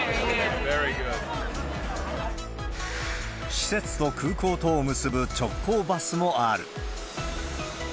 施設と空港とを結ぶ直行バスもある。